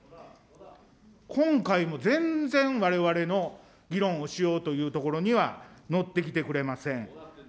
今回も全然われわれの議論をしようというところには乗ってきてくれません。